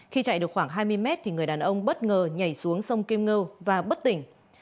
khi chạy được khoảng hai mươi mét thì người đàn ông bất ngờ nhảy xuống sông kim ngâu và bất tỉnh